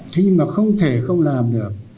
thế nhưng mà không thể không làm được